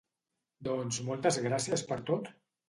Doncs moltes gràcies per tot!